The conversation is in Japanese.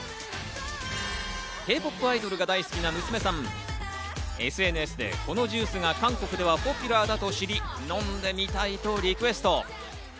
Ｋ−ＰＯＰアイドルが大好きな娘さん、ＳＮＳでこのジュースが韓国ではポピュラーだと知り、飲んでみたいとリクエスト。